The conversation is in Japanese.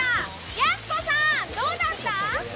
やす子さん、どうだった？